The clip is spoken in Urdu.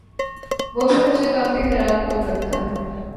وہ بھی مجھے کافی حیران کن لگتا ہے۔